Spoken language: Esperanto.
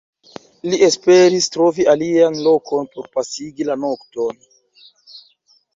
Li esperis trovi alian lokon por pasigi la nokton.